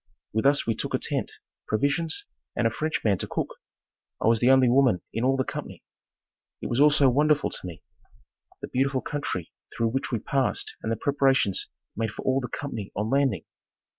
With us we took a tent, provisions and a French man to cook. I was the only woman in all the company. It was all so wonderful to me the beautiful country through which we passed and the preparations made for all the company on landing.